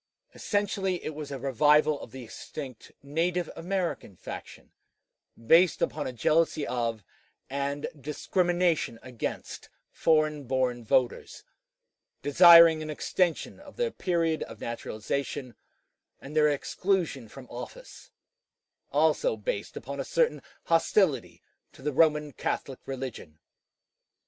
Essentially, it was a revival of the extinct "Native American" faction, based upon a jealousy of and discrimination against foreign born voters, desiring an extension of their period of naturalization, and their exclusion from office; also based upon a certain hostility to the Roman Catholic religion.